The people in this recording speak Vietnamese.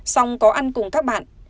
xong có ăn cùng các bạn